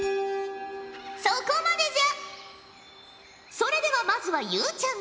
それではまずはゆうちゃみ。